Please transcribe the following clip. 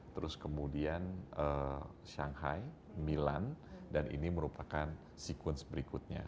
terus kemudian shanghai milan dan ini merupakan sekuens berikutnya